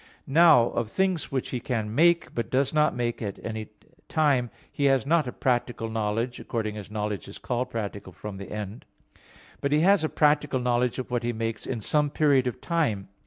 Now of things which He can make, but does not make at any time, He has not a practical knowledge, according as knowledge is called practical from the end. But He has a practical knowledge of what He makes in some period of time.